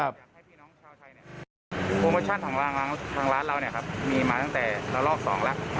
โปรโมชั่นของร้านเรามีมาตั้งแต่รอบ๒แล้ว